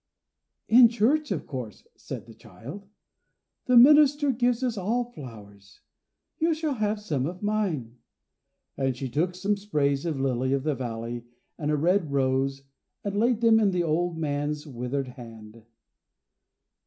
"In church, of course," said the child. "The minister gives us all flowers. You shall have some of mine," and she took some sprays of lily of the valley and a red rose and laid them in the old man's withered hand.